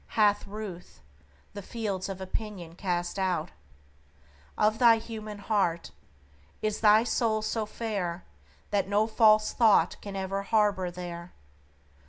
hath ruth The fiends of opinion cast out Of thy human heart? Is thy soul so fair That no false thought can ever harbor there?